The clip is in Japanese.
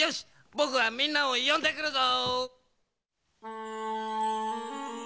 ぼくはみんなをよんでくるぞ！